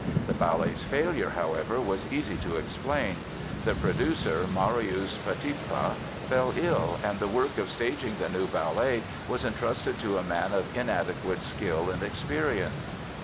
The ballet's failure, however, was easy to explain. The producer, Marius Petipa, fell ill, and the work of staging the new ballet was entrusted to a man of inadequate skill and experience.